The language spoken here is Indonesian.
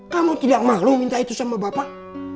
kamu tidak maklum minta itu sama bapak